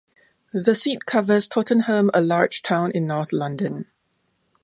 The seat covers Tottenham a large town in north London.